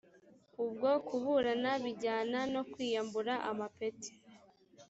ubwo kuburana bijyana no kwiyambura amapeti